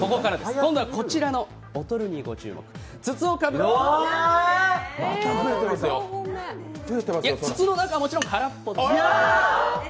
今度はこちらのボトルにご注目、筒を筒の中は、もちろん空っぽです。